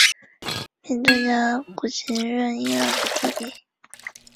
中国人说还要十几分钟